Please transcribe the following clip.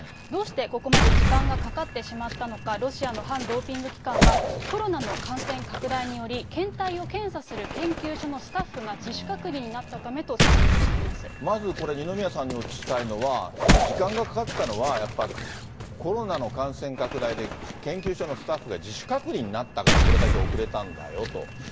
どうして、ここまで時間がかかってしまったのか、ロシアの反ドーピング機関は、コロナの感染拡大により、検体を検査する研究所のスタッフが自主隔離になったためと説明しまずこれ、二宮さんにお聞きしたいのは、時間がかかったのは、やっぱり、コロナの感染拡大で研究所のスタッフが自主隔離になったからこれだけ遅れたんだよと。